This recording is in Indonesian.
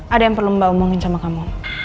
ada yang perlu mbak omongin sama kamu